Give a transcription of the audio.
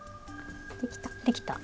できた！